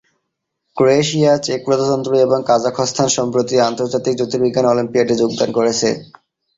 Croatia, চেক প্রজাতন্ত্র এবং কাজাখস্তান সম্প্রতি আন্তর্জাতিক জ্যোতির্বিজ্ঞান অলিম্পিয়াডে যোগদান করেছে।